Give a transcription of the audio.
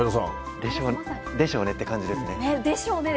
でしょうねって感じです。